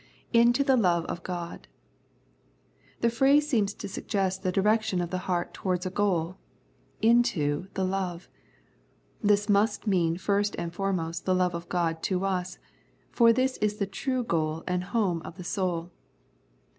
" Into the love of God.^^ The phrase seems to suggest the direction of the heart towards a goal —" Into the love." This must mean first and foremost the love of God to us, for this is the true goal and home of the soul.